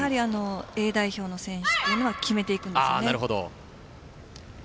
Ａ代表の選手というのはこのあたり決めていくんですね。